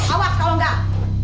awas kalau nggak